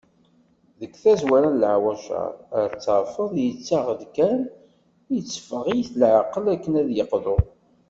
Deg tazwara n leɛwacar, ad t-tafeḍ yettaɣ-d kan, itteffeɣ-it leɛqel akken ad d-yeqḍu.